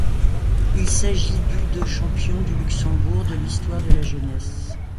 Il s'agit du de champion du Luxembourg de l'histoire de la Jeunesse.